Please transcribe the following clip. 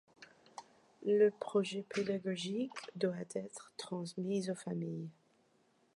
Le projet pédagogique doit être transmis aux familles.